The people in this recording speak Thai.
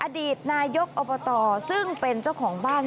อดีตนายกอบตซึ่งเป็นเจ้าของบ้าน